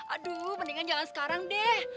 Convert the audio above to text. aduh mendingan jangan sekarang deh